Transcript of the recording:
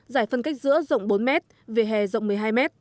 dải phân cách giữa rộng bốn m về hè rộng một mươi hai m